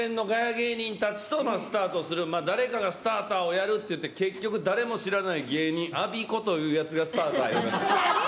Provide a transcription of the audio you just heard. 芸人たちとスタートする、誰かがスターターをやるっていって、結局、誰も知らない芸人、アビコというやつがスターターやった。